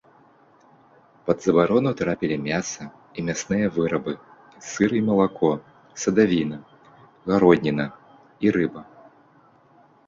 Пад забарону трапілі мяса і мясныя вырабы, сыр і малако, садавіна, гародніна і рыба.